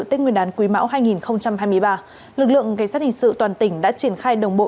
tết nguyên đán quý mão hai nghìn hai mươi ba lực lượng cảnh sát hình sự toàn tỉnh đã triển khai đồng bộ